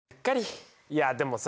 いやでもさ